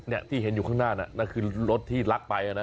ที่เห็นอยู่ข้างหน้าน่ะนั่นคือรถที่ลักไปนะ